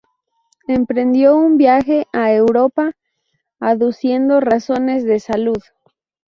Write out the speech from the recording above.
Emprendió un viaje a Europa aduciendo razones de salud.